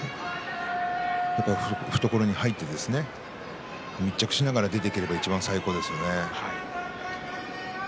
懐に入って密着しながら出ていけばいいですがね。